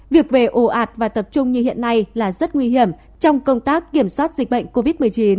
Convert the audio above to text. việc về ồ ạt và tập trung như hiện nay là rất nguy hiểm trong công tác kiểm soát dịch bệnh covid một mươi chín